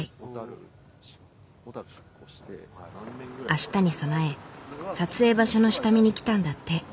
あしたに備え撮影場所の下見に来たんだって。